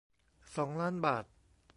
สองล้าน บาท